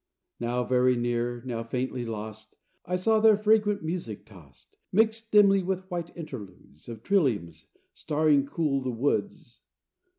Now very near, now faintly lost, I saw their fragrant music tossed; Mixed dimly with white interludes Of trilliums starring cool the woods.